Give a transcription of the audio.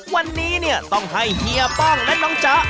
วันนี้เนี่ยต้องให้เฮียป้องและน้องจ๊ะ